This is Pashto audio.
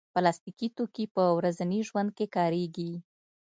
پلاستيکي توکي په ورځني ژوند کې کارېږي.